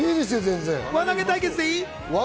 輪投げ対決でいい？